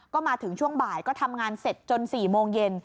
ก็มาถึงช่วงบ่ายก็ทำงานเสร็จจน๔โมงเย็น